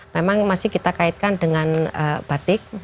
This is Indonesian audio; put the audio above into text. memang masih kita kaitkan dengan batik